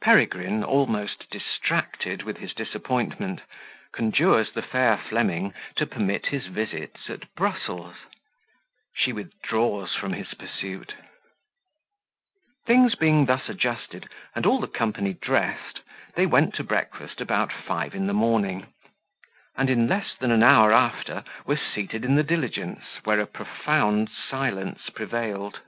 Peregrine, almost distracted with his Disappointment, conjures the fair Fleming to permit his Visits at Brussels She withdraws from his Pursuit. Things being thus adjusted, and all the company dressed, they went to breakfast about five in the morning; and in less than an hour after were seated in the diligence, where a profound silence prevailed.